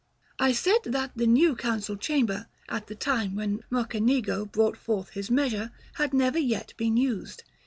I said that the new Council Chamber, at the time when Mocenigo brought forward his measure, had never yet been used.